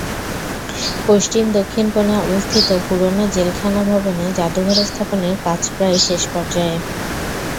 পশ্চিম-দক্ষিণ কোণে অবস্থিত পুরোনো জেলখানা ভবনে জাদুঘর স্থাপনের কাজ প্রায় শেষ পর্যায়ে।